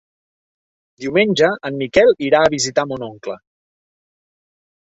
Diumenge en Miquel irà a visitar mon oncle.